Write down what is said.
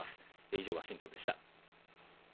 以上、ワシントンでした。